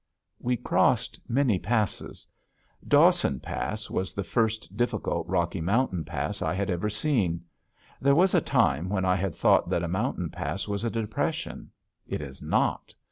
We crossed many passes. Dawson Pass was the first difficult Rocky Mountain pass I had ever seen. There was a time when I had thought that a mountain pass was a depression. It is not.